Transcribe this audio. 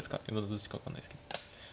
どっちか分かんないですけど。